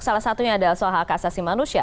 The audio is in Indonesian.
salah satunya adalah soal hak asasi manusia